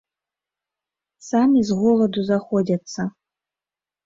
Самі з голаду заходзяцца.